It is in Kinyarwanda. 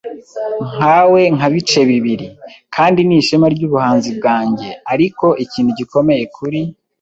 “Nkawe nka bice bibiri, kandi ni ishema ryubuhanzi bwanjye. Ariko ikintu gikomeye kuri